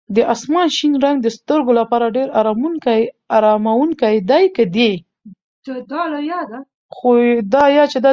د اسمان شین رنګ د سترګو لپاره ډېر اراموونکی دی.